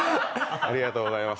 ありがとうございます。